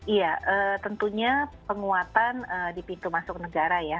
iya tentunya penguatan di pintu masuk negara ya